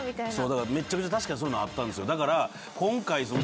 めちゃめちゃ確かにそういうのあったんですよ。